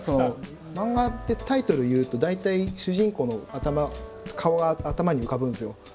漫画ってタイトル言うと大体主人公の顔が頭に浮かぶんですよ